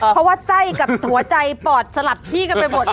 เพราะว่าไส้กับหัวใจปอดสลับที่กันไปหมด